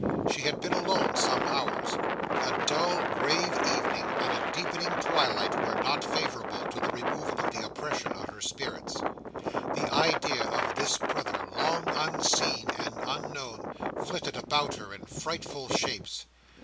She had been alone some hours. A dull, grave evening, and a deepening twilight, were not favourable to the removal of the oppression on her spirits. The idea of this brother, long unseen and unknown, flitted about her in frightful shapes.